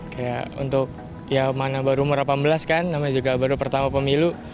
kayak untuk ya mana baru umur delapan belas kan namanya juga baru pertama pemilu